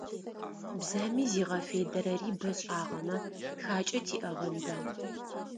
Бзэми зигъэфедэрэри бэ шӏагъэмэ, тхакӏэ тиӏэгъэнба?